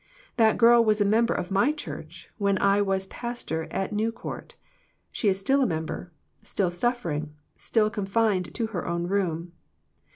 That girl was a member of my church when I was pastor at ISTew Court. She is still a member, still suffering, still confined to her own room.